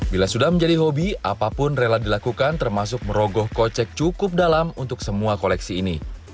bila sudah menjadi hobi apapun rela dilakukan termasuk merogoh kocek cukup dalam untuk semua koleksi ini